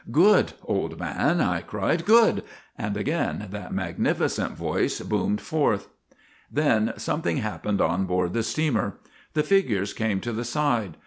"'Good, old man!' I cried. 'Good!' And again that magnificent voice boomed forth. Then something happened on board the steamer. The figures came to the side.